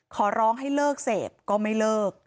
ขอร้องให้เลิกเสพก็ไม่เลิก